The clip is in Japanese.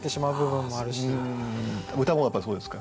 歌もやっぱりそうですか？